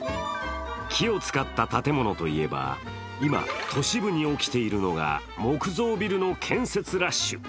木を使った建物といえば、今、都市部に起きているのが木造ビルの建設ラッシュ。